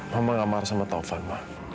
mama nggak marah sama taufan ma